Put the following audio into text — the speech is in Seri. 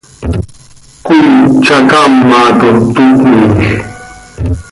Cói tzacaamat oo, toc cömiij.